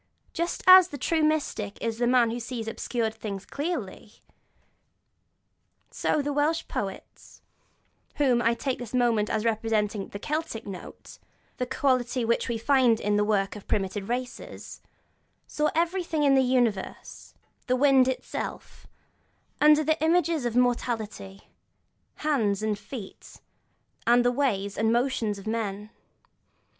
Just as the true mystic is the man who sees obscure things clearly, so the Welsh poets (whom I take for the moment as representing the 'Celtic note,' the quality which we find in the work of primitive races) saw everything in the universe, the wind itself, under the images of mortality, hands and feet and the ways and motions of men.